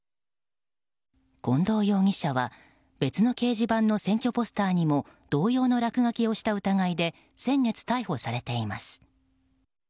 近藤容疑者は別の掲示板の選挙ポスターにも同様の落書きをした疑いで先月、逮捕されています。